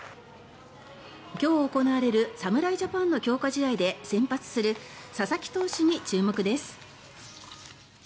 今日行われる侍ジャパンの強化試合で先発する佐々木投手に注目です。